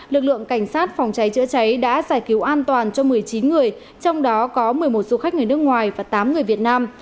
lực lượng cảnh sát phòng cháy chữa cháy đã giải cứu an toàn cho một mươi chín người trong đó có một mươi một du khách người nước ngoài và tám người việt nam